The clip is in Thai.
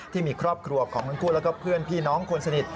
ที่มีครอบครัวของทั้งคู่แล้วก็เพื่อนพี่น้องคนสนิท